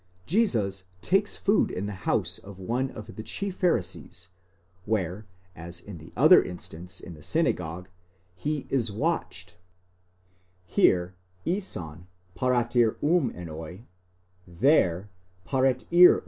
Jesus takes food in the house of one of the chief Pharisees, where, as in the other instance in the synagogue, he is watched (here, ἦσαν παρατηρούμενοι, there, παρετήρουν).